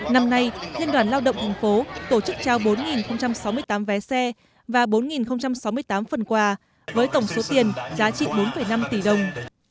năm nay liên đoàn lao động thành phố tổ chức trao bốn sáu mươi tám vé xe và bốn sáu mươi tám phần quà với tổng số tiền giá trị bốn năm tỷ đồng